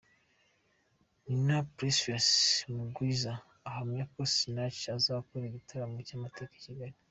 Nina Precious Mugwiza ahamya ko Sinach azakora igitaramo cy'amateka i Kigali.